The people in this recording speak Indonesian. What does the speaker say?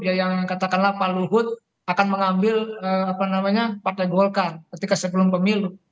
ya yang katakanlah pak luhut akan mengambil partai golkar ketika sebelum pemilu